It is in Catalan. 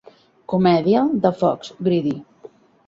Comèdia de Fox "Greedy".